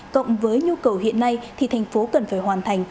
cộng với nhu cầu hiện nay thì thành phố cần phải hoàn thành